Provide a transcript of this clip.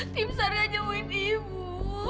tim sarga nyemuin ibu